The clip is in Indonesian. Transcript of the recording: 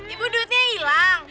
ibu duitnya hilang